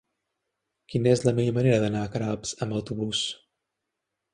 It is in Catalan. Quina és la millor manera d'anar a Queralbs amb autobús?